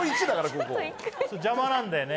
邪魔なんだよね。